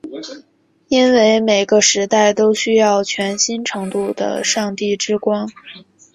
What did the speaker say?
因为每个时代都需要全新程度的上帝之光。